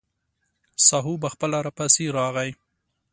ساهو به خپله راپسې راغی.